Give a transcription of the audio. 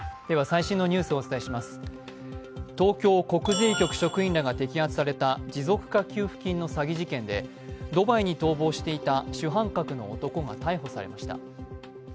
東京国税局職員らが摘発された持続化給付金の詐欺事件でドバイに逃亡していた主犯格の男が逮捕されました。